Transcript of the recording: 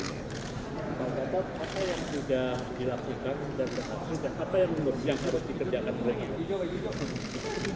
pak gatot apa yang sudah dilakukan apa yang harus dikerjakan